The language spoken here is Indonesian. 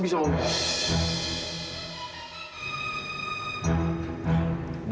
ini orangnya count